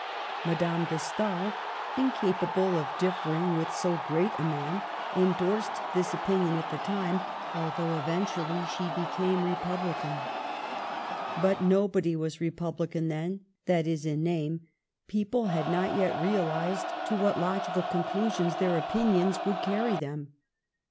Madame de Stael — incapable of differing with so great a man — endorsed this opinion at the time, although eventually she became republican. But nobody was republican then — that is in Digitized by VjOOQIC 42 MADAME DE STAML. name ; people had not yet realized to what logical conclusions their opinions would carry them.